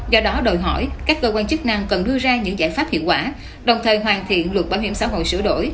do đó đòi hỏi các cơ quan chức năng cần đưa ra những giải pháp hiệu quả đồng thời hoàn thiện luật bảo hiểm xã hội sửa đổi